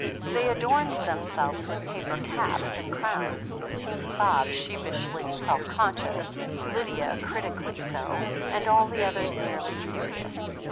They adorned themselves with paper caps and crowns, Bob sheepishly self conscious, Lydia critically so, and all the others merely serious.